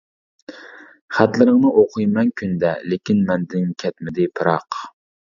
خەتلىرىڭنى ئوقۇيمەن كۈندە، لېكىن مەندىن كەتمىدى پىراق.